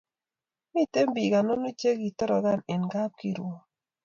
Miten pik anwanu che kitorokan en kapkirwok